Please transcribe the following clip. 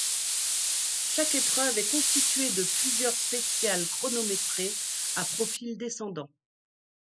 Chaque épreuve est constituée de plusieurs spéciales chronométrées, à profil descendant.